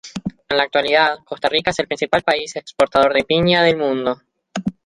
En la actualidad, Costa Rica es el principal país exportador de piña del mundo.